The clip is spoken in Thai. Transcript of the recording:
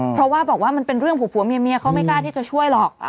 เพราะว่าบอกว่ามันเป็นเรื่องผัวเมียเขาไม่กล้าที่จะช่วยหรอก